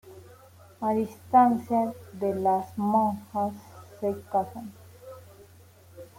A instancias de las monjas se casan.